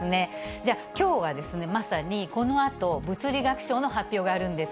じゃあ、きょうは、まさにこのあと、物理学賞の発表があるんです。